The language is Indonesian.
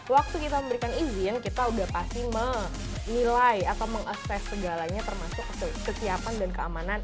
waktu kita memberikan izin kita udah pasti menilai atau mengakses segalanya termasuk kesiapan dan keamanan